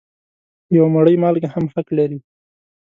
یوه مړۍ مالګه هم حق لري.